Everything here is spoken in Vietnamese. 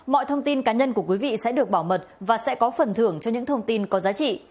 mọi thông tin cá nhân của quý vị sẽ được bảo mật và sẽ có phần thưởng cho những thông tin có giá trị